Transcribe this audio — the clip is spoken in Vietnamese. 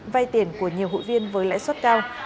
vay tiền của nhiều hội viên với lãi suất cao